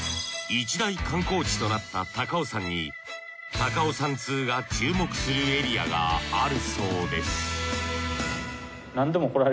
一大観光地となった高尾山に高尾山通が注目するエリアがあるそうです